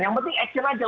yang penting action aja